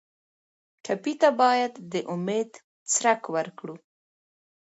ټپي ته باید د امید څرک ورکړو.